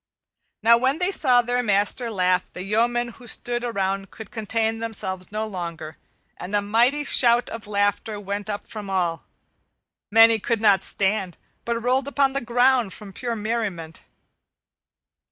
Now when they saw their master laugh, the yeomen who stood around could contain themselves no longer, and a mighty shout of laughter went up from all. Many could not stand, but rolled upon the ground from pure merriment.